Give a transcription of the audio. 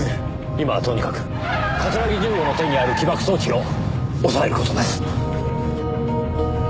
今はとにかく桂木重吾の手にある起爆装置を押さえる事です。